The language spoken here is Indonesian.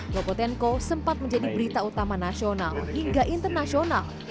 lopotenko sempat menjadi berita utama nasional hingga internasional